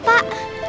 bapak aku mau ikut